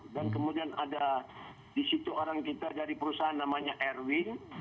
dan kemudian ada di situ orang kita dari perusahaan namanya erwin